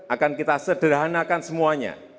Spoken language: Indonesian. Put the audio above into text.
akan kita sederhanakan semuanya